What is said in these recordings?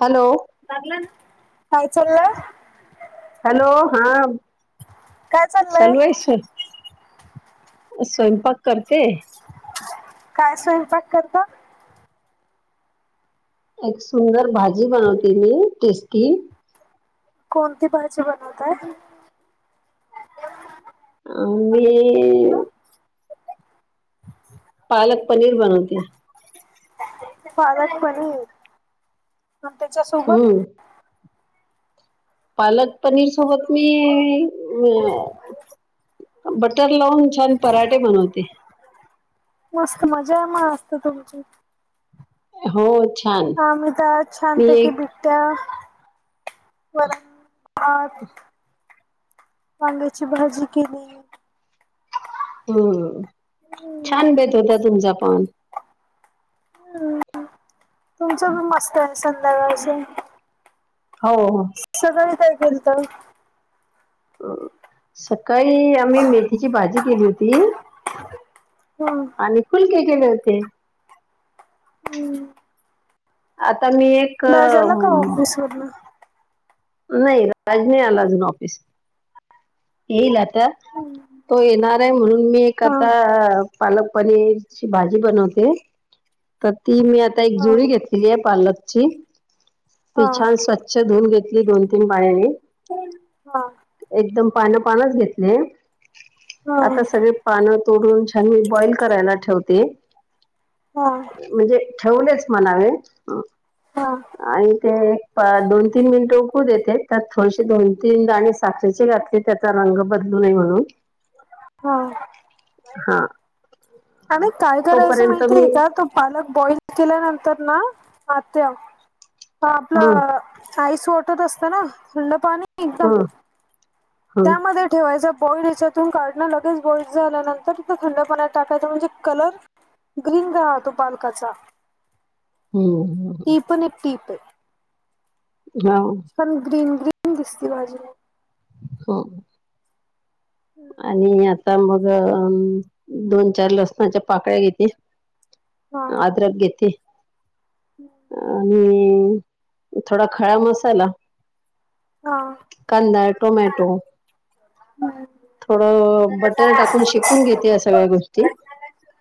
Hello लागला ना... काय चाल्लय? हॅलो... हा... काय चाललंय चालू ए सर स्वयंपाक करते काय स्वयंपाक करत एक सुंदर भाजी बनवते मी टेस्टी कोणती भाजी बनवत आहे अ मी. पालक पनीर बनवतीये. पालक पनीर अन त्याच्यासोबत? हम्म पालक पनीर सोबत मी अ बटर लावून. छान पराठे बनवते. मस्त मजा आहे मग आज तर तुमची. हो छान आमहीदा छ मी पैकी एक बट त्या वात पांग्याची भाजी केली हम्म छान बेत होता तुमचा पण हम्म तुमच पी मस्त आहे संध्याभ हो हो श सगही काय केलत सकाळी आम्ही मेथीची भाजी केली होती हम् आणि फुलके केले होते हम्म आता मी एक सोल नाही राज नाही आला अजून ऑफिस येईल आता तो येणार आहे म्हणून मी एक हां आता पालक पनीरची भाजी बनवते तर ती मी आता एक जुरी हां घेतलेली आहे पालकची ती हां छान स्वच्छ धुवून घेत दोन तीन पाण्याने हा एकदम पान पानच घेतले आता हां सगळे पानं तोडून छानी बॉईल करायला ठेवते हा म्हणजे ठेवलेच म्हणावे हां आणि ते दोन तीन मिनट टोकू देते त्यात थोडीसे दोन तीन दाणी साखरेचे घातले त्याचा रंग बदलू नये म्हणून हा हा अर काय करायचं तोपर्यंत माहितीय मी का तो पालक बॉइल केल्यानंतर ना आत्या ह हम्म आपलं आईस वाटत असतं ना थंड पाणी एकदम हम्म हं त्यामध्ये ठेवायच बडीच तथून काढणं लगेच गोल्ड झाल्यानंतर त थंडपणा टाकायचं म्हणजे कलर ग्रीन रा तो पालकाचा हो हो णटीप हा पण ग्रीन ग्रीन दिसती भाजी हो आणि आता मगं दोन चार लसणाच्या पाकळ्या घेते अ्र घेत ह्म. आणि, थोडां खडा मसाला. कांदा, टोमॅटो. थोडं बटर टाकून शिकून घेते या सगळ्या गोष्टी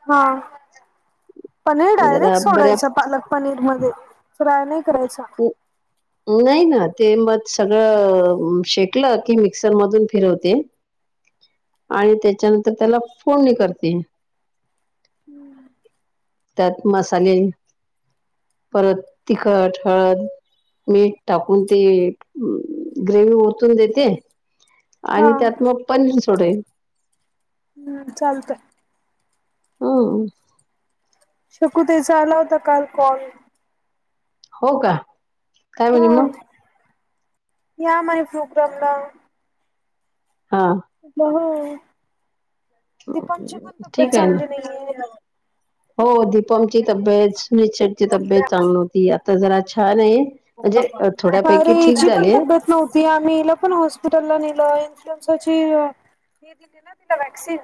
ह्म. [inaudible] पनीर जरा डायरेक्ट बऱ्या सोडायचा पालक पनीर मध्ये फ्राय नाही करायचा हो नाही ना ते मग सगळं शेकलं की मिक्सर मधून फिरवते [unintelligible] आणि त्याच्यानंतर त्याला फोन नि करते [unintelligible] त्यात मसाले. परत तिखटं, हळदं. मीठ टाकून, ती ग्रेवी ओतून देते. हा आणि, त्यात मग पनीर सोडले. ह्म चालतंय. अ.. उं. शकू ताईचा आला होता, काल कॉल. हो कां? हा. या माझ्या प्रोग्रॅमला. हा. पहा? दीपांची पण, तब्येत ठीक आहे ना चांगली नाही आहेे. हो. दीपमची तब्येत, सुनीलशेटची तब्येत चांगली नव्हती. आता जरा, छान आहे. म्हणजे, अरे थोड्यापैकी ठीक हिची पण झाले. तब्येत नव्हती. आम्ही हीला पण, हॉस्पिटलला नेलं इन्शुरन्सची कीती दिल तिला? व्हॅक्सिन.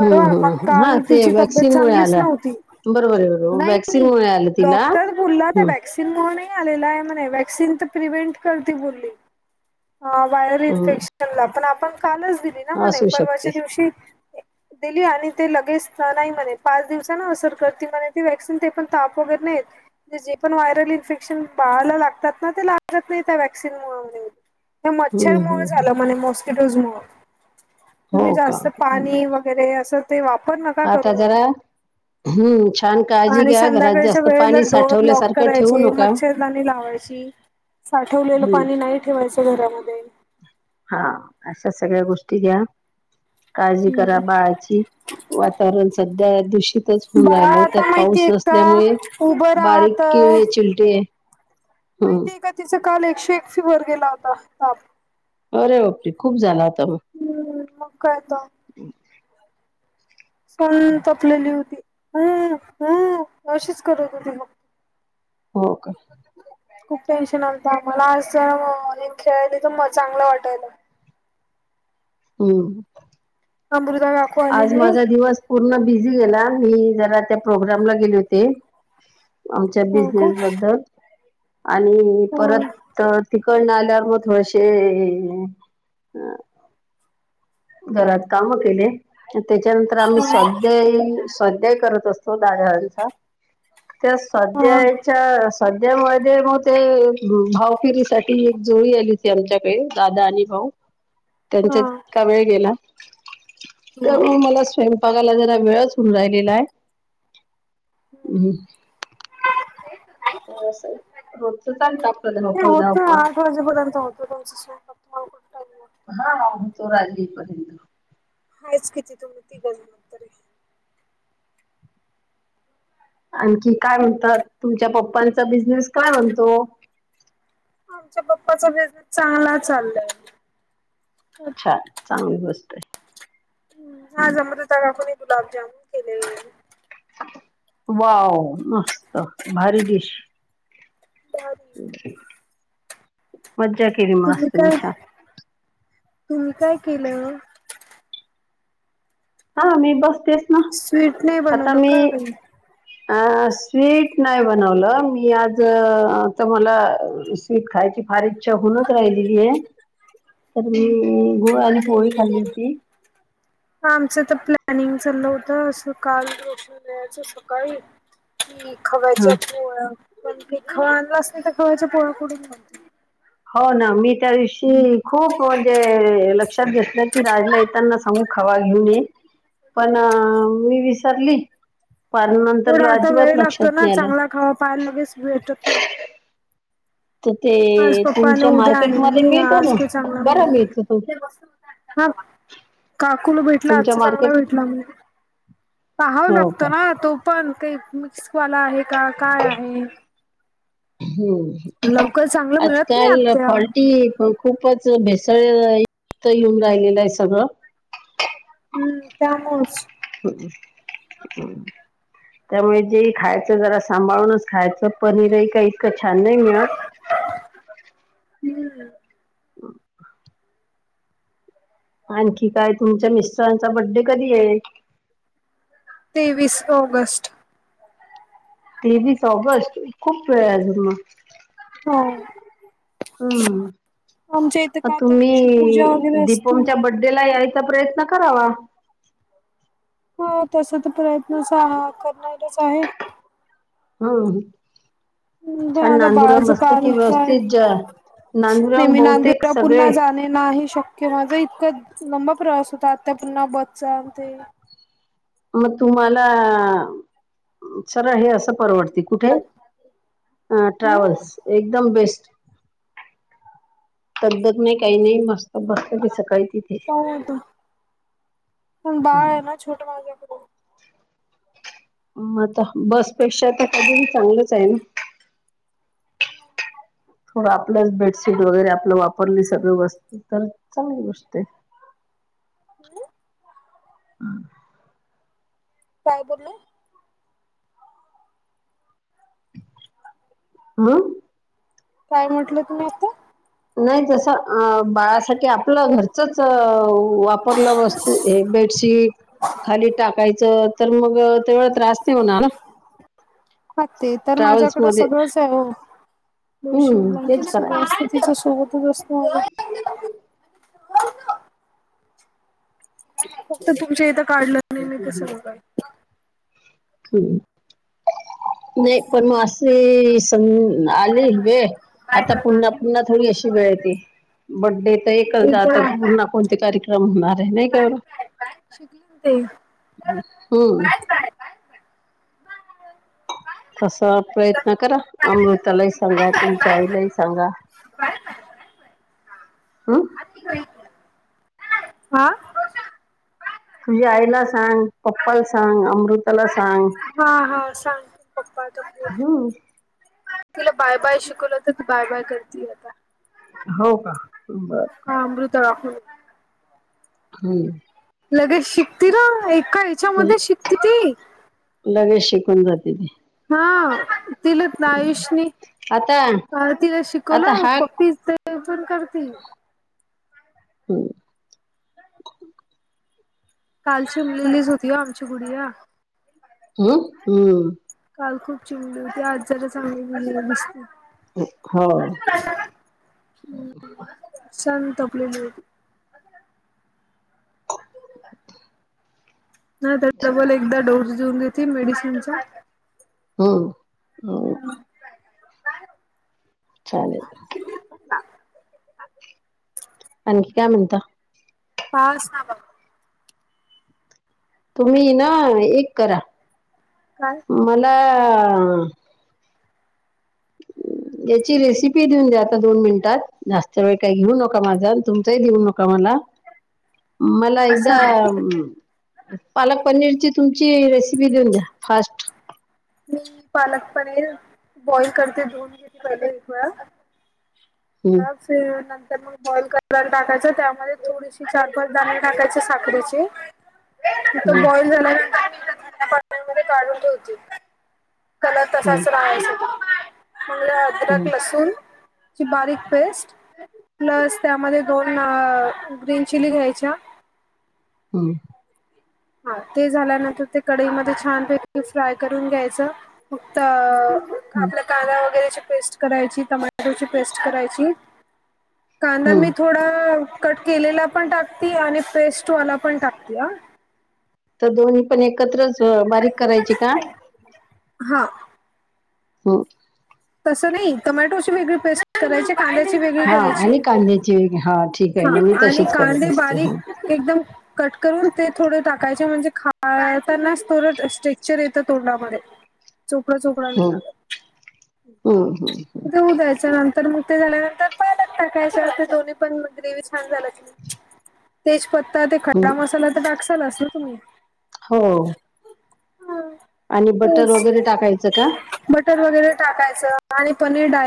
हम्म पण हम्म हा काल, ते तिची तब्येत व्हॅक्सिन मुळे चांगलीच आला नव्हती. बरोबर आहे बरोबर व्हॅक्सिन नाही-नाही, मुळे आलं तिला डॉक्टर बोलला त्या हम्म वॅ क्सिन मुळे नाही आलेला आहे म्हणे, वॅक्सिन तर प्रिव्हेंट करते बोलली. हा व्हायरल हम्म इन्फेक्शनला. पण आपण कालच दिली ना म्हणे, असू शकते परवाच्या दिवशी. दिली. आणि ते लगेच नाही म्हणे, पाच दिवसानं असर करती म्हणे ती व्हॅव्क्सिन. ते पण ताप वगैरे नाहीे येत. म्हणजे. जे पण व्हायरल इन्फेक्शन, बाळाला लागतात ना. ते लागत नाही त्या व्हॅक्सिनमुळंम्हणे. हे हम्म मच्छर मुळे हम्म झालं म्हणे, मॉस्किटोजमुळं. तुम्ही हो का जास्त पाणी व गैरे.. असं. ते वापर ना. आता जरा ह्मम् [unintelligible] आणि, संध्याकाळच्या वेळेला. डोअर लॉक साठवल्यासारखं ठेवू करायचे, नका मच्छरदानी लावायची. साठवलेलं हम्म पाणी, नाही ठेवायचं घरामध्ये. हा, अशा सगळ्या गोष्टी घ्या. काळजी करा, बाळाची. वातावरण सध्या, दूषित होऊन बाळा राहिल. त्यात आता पाऊस माहितीय का नसल्यामुळे, उभं बारीक राहत केिळे-चिलटे माहिती आहे का तिचं? काल एकशे एक फीवर गेला होता ताप. अरे बापरे! खूप झाला आता मग. ह्म, मग काय आता. [unintelligible] साण, तपलेली होती. अ.. अ.. अशीच करत होती, मग. हो कां. खूप टेन्शन आलतं आम्हाला, आज जरा मोकळी खेळायली तर मग चांगलं वाटायल. [inaudible] [unintelligible] आज आहे माझा दिवस पूर्ण बिझी गेला मी जरा त्या प्रोग्रामला गेले होते आमच्या हो का बिझनेस बद्दल आणि हा परत तर तिकडन आल्यावर मग थोडेसे. घरात काम केले त्याच्यानंतर आम्ही स्वाध्याय स्वाध्याय कर. प्रतुंदारा चा त्या हा हा सध्याच्या सध्या, मध्ये मग ते भाऊकीरीसाठी. एक जोळी आली होती आमच्याकडे, दादा आणि भाऊ. हा. त्यांच्यात, इतका वेळ गेला. तर नाही मग मला स्वयं पाला जरा, वेळच होऊन राहिलेला आहे. ह्म. होत [unintelligible] [unintelligible] [unintelligible] कुठं टाइम लागतो हा हा सोरली. हाच किती तुम्ही ती गज मग त रे. आणखी काय म्हणतात तुमच्या पप्पांचा बिझनेस काय म्हणतो. आमच्या पप्पाचा बिझनेस चांगला चाललाय. छान चांगली गोष्ट आहे. हा जमलं तर आपण गुलाबजामन केलेले. वाव मस्त भारी डिश ढग. मज्जा केली मस्त तुम्ही छान. तुम्ही काय केलं मग हा मी बसतेच. ना स्वीट नाही आता बनवलं का मी काही अ स्वीट नाही बनवलं मी आज तर मला स्वीट खायची. हा इच्छा हुन राहिलेली आहे तर मी हम्म. गुळ आणि पोळी खाल्ली की [unintelligible] आमचं तर प्लॅनिंग चाललं होत असं काल रोशयचं सकाळी. हा खवयच्या पोळ्या पण खव आणलाच नाही तर खवयच्या पोळ्या कडून हो ना मी त्या दिवशी खूप म्हणजे लक्षात घेतलं की राजला येताना सांगू खवा घेऊन ये. पण मी विसारली पार नंतर लॉजवर लक्षात नाही आला. पान लगेच भेटत नाही. तर ते आज पप्पा न तुमच्या उद्या आणण मार्केटमध्ये मी मिळतो आज ना काही चांगलं बरं म्हण. मिळतो तो हा काकुल भेटला तुमच्या आजचा मार्केट चांगला भेटला मग पाहावं हो का लागतो ना तो पण काही मिस्कवाला आहे का काय आहे. हम्म लवकर चांगलं मिळत नाही आजकाल आत्या फॉल्टी खूपच भेसळयक्त येऊन राहिलेलं आहे सगळं. हम्म त्या मच. हम हम्. त्यामुळे जे खायचं जरा सांभाळूनच खायचं पनीरही काही इतकं छान नाही मिळत. हम्म. आणखी काय तुमच्या मिस्टरांचा बड्डे कधी आहे. तेवीस ऑगस्ट तेवीस ऑगस्ट खूप वेळ आहे अजून हो. आमच्या इथे हम् का त्या तुम्ही दिवशी पूजा वगैरे असते. दीपमच्या त्याला यायचा प्रयत्न करावा. ह तसा तर प्रयत्नच करायचा आहे. हम्म पण छान आता नांदूर्यावरून बाळाचं बसलं की कारण काय व्यवस्थित जाय. नांदूर्यावरून नेहमी बहुतेक नांदूरला सगळे. पुन्हा जाणे नाही शक्य माझा इतका लंबा प्रवास होता आता पुन्हा बसचा ते मग तुम्हाला सरळ हे असं, परवडती. कुठे अ ट्रॅव्हल्स एकदम बेस्ट धकधक नाही काही नाही. मस्त बसलेली सकाळी तिथे का येतो पण बाळ आहे ना छोट माझ आता बसपेक्षा तर कधी चांगलंच आहे ना, [unintelligible] थोडं आपलंच बेडशीट वगैरे आपलं वापरली. सगळी वस्तू तर चांगली गोष्ट आहे. हम्म, [unintelligible] काय बोलल. [unintelligible] काय म्हटलं? तुम्ही आता नाही जसं, अ बाळासाठी आप आपलं घरचच वापरला वस्तू हे बेडशीट खाली टाकायचं. तर मग ते व त्रास नाही होणार ना [unintelligible] तिच्या ट्रॅव्हल्स मध्ये हम्म तेच करायचं सोबतच असतो. फक्त तुमच्या इथं काढलं नाही. मी इथं सगळं काय. हम, नाही पण मग अस, ते सग आली वेळ आता पुन्हा पुन्हा, थोडी अशी वेळ येती. बर्थडे चा तर एकच ते तर जातात. आहे पुन्हा कोणते कार्यक्रम होणार आहे नाही का ओ, शिकली ते, हम, तस प्रयत्न करा अमृतालाही सांगा, तुमच्या आईलाही सांगा. हम्म हा तुझ्या आईला सांग, पप्पाला सांग, अमृत त्याला सांग, हा हा, सांगते पप्पा हम्म तिला बाय बाय शिकवलं, तर बाय बाय करते. आता हो का, बर [unintelligible] हम्म, लगेच शिकती र एका ह्याच्यामध्ये शिकती ती लगेच शिकून जाते ती, हा, तिलाच ना आयुषनी आता तिला आता शिकवलं, हा पप्पीच ते ते पण करते. हम, कालची रिलीज होती, आमची गुडिया ह हम्म, [unintelligible] हो, शांत झोपलेली होती. हा त्यात डबल, एकदा डोस देऊन घेती मेडिसिनचा हो हो, चालेल. [unintelligible] आणखी काय म्हणता. काहीच नाही बघ. तुम्ही ना एक करा. काय? मला [unintelligible] याची रेसिपी देऊन द्या आता दोन मिनिटात जास्त वेळ काही घेऊ नका माझा तुमचाही देऊ नका मला [unintelligible] मला हा एकदा सांग [unintelligible] पालक पनीरची तुमची रेसिपी देऊन द्या फास्ट [unintelligible] मी पालक पनीर बॉईल करते धुन घ पहिले वेळा [unintelligible] हम्म ह नंतर म [unintelligible] बॉइल कराला टाकायचं त्यामध्ये थोडीशी चार पाच णे टाकायचे साखरीचे [unintelligible] तथ हम्म बॉइल झाल्यानंत काून ठे होते [unintelligible] हम्म तसाच राहायच म्ह अदरक हम्म लसूण [unintelligible] ची बारीक पेस्ट प्लस त्यामध्ये दोन ग्रीन चिली घ्यायच्या हा [unintelligible] हा ते झाल्यानंतर ते कढईमध्ये छानपैकी फ्राय करून घ्यायचं [unintelligible] फक्त [unintelligible] हम्म आपल्या कांदा वगैरेची पेस्ट करायची टमॅटोची पेस्ट करायची [unintelligible] कांदा मी हम्म थोडा [unintelligible] कट केलेला पण टाकते आणि पेस्टवाला पण टाकते ह [unintelligible] तर दोन्ही पण एकत्रच बारीक करायची का हा [unintelligible] हो [unintelligible] तसं नाही टोमॅटोची वेगळी पेस्ट करायची [unintelligible] कांद्याची वेगळी हा करायची आणि कांद्याची हा ठीक आहे हा ना मी आणि तशीच करत कांदे असते हो. बारीक [unintelligible] एकदम [unintelligible] कट करून ते थोडं टाकायचे म्हणजे खाळतानाच थोडं स्ट्रेक्चर येतं तोंडामध्ये चोकड चोकडा हम्म लाग हम्म हम्म ते उद्याच्या नंतर [unintelligible] तर मुते झाल्यानंतर पय लागत काय अ दोन्ही पण ग्रेव छान झाला त [unintelligible] तेजपत्ता ते खडा हम्म मसाला तर टाकसालस ना तुम्ही हो [unintelligible] हम [unintelligible] आणि बटर वगैरे टाकायचं का [unintelligible] बटर वगैरे टाकायचं आणि पनीर डाय [unintelligible]